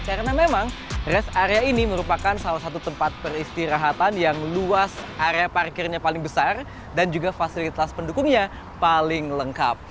karena memang race area ini merupakan salah satu tempat peristirahatan yang luas area parkirnya paling besar dan juga fasilitas pendukungnya paling lengkap